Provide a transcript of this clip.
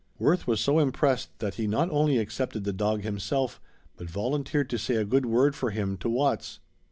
Worth was so impressed that he not only accepted the dog himself but volunteered to say a good word for him to Watts.